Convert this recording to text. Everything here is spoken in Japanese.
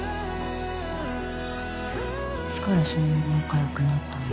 いつからそんな仲良くなったの？